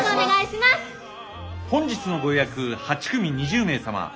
本日のご予約８組２０名様。